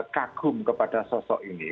kagum kepada sosok ini